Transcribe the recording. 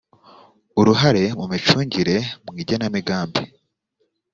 uruhare mu micungire mu igenamigambi